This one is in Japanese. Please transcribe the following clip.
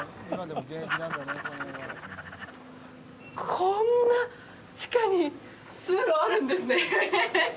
こんな地下に通路あるんですね